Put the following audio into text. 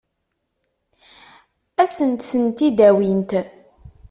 Ad sent-ten-id-awint?